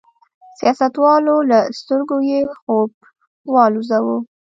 سیاستوالو له سترګو یې خوب والوځاوه.